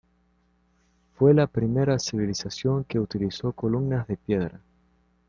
Fue la primera civilización que utilizó columnas de piedra.